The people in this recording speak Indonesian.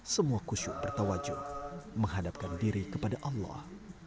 semua khusyuk bertawajuk menghadapkan diri kepada allah